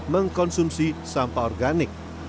mengkonsumsi sampah organik